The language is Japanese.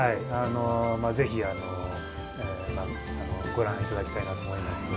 ぜひご覧いただきたいと思います。